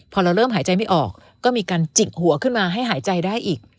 พอเราเริ่มหายใจไม่ออกก็มีการจิกหัวขึ้นมาให้หายใจได้อีก